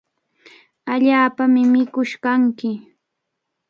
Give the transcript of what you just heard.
Allaapami mikush kanki.